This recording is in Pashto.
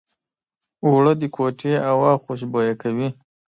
اوړه د کوټې هوا خوشبویه کوي